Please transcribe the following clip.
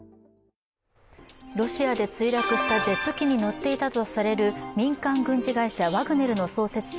ロシアで墜落したジェット機に乗っていたとされる民間軍事会社ワグネルの創設者